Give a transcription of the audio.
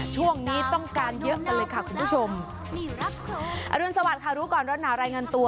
ช่วงนี้ต้องการเยอะกันเลยค่ะคุณผู้ชมนี่ครับอรุณสวัสดิค่ะรู้ก่อนร้อนหนาวรายงานตัว